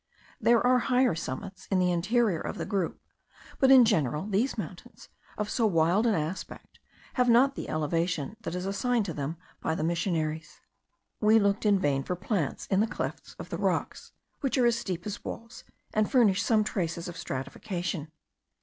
There are higher summits in the interior of the group, but in general these mountains, of so wild an aspect, have not the elevation that is assigned to them by the missionaries. We looked in vain for plants in the clefts of the rocks, which are as steep as walls, and furnish some traces of stratification.